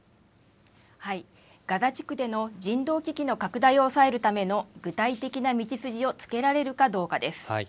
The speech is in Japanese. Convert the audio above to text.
ガザ地区での人道危機の拡大を抑えるための具体的な道筋をつけられるかどうかです。